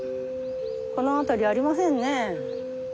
この辺りありませんね。